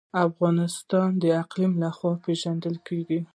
افغانستان د اقلیم له مخې پېژندل کېږي.